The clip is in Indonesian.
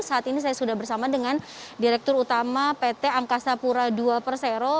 saat ini saya sudah bersama dengan direktur utama pt angkasa pura ii persero